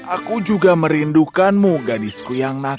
aku juga merindukanmu gadisku